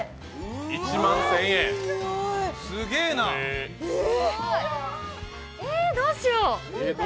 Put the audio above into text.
１万１０００円！え、どうしよう！